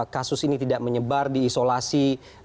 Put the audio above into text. kasus ini tidak menyebar diisolasi